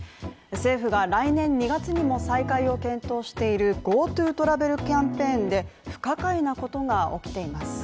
政府が来年２月にも再開を検討しているＧｏＴｏトラベルキャンペーンで不可解なことが起きています